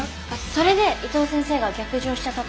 それで伊藤先生が逆上しちゃったとか。